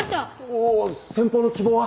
お先方の希望は？